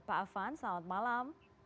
pak afan selamat malam